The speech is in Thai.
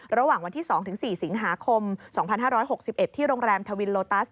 ระหว่างวันที่๒๔สิงหาคม๒๕๖๑ที่โรงแรมทวินโลตัส